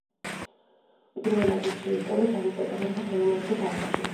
პირველად ის შეისწავლეს არისტოტელემ და ლეონარდო და ვინჩიმ.